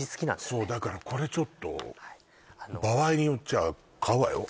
そうだからこれちょっと場合によっちゃ買うわよ